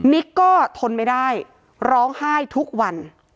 นิกก็ทนไม่ได้ร้องไห้ทุกวัน